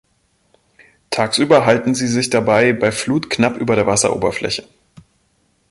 Tagsüber halten sie sich dabei bei Flut knapp über der Wasseroberfläche.